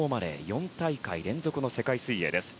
４大会連続の世界水泳です。